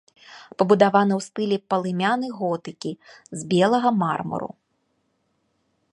Пабудаваны ў стылі палымяны готыкі з белага мармуру.